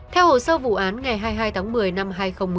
theo hồ sơ vụ án ngày hai mươi hai tháng một mươi năm hai nghìn một mươi